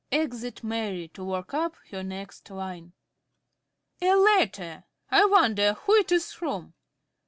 (Exit Mary to work up her next line.) A letter! I wonder who it is from!